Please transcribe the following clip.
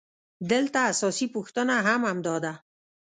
دلته اساسي پوښتنه هم همدا ده